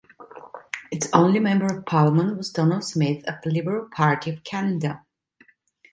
Its only Member of Parliament was Donald Smith of the Liberal Party of Canada.